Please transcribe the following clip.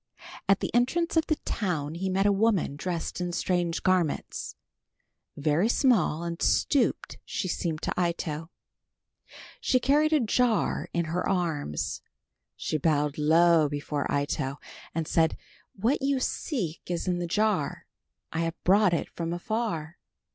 At the entrance of the town he met a woman dressed in strange garments. Very small and stooped she seemed to Ito. She carried a jar in her arms. She bowed low before Ito, and said, "What you seek is in the jar. I have brought it from afar."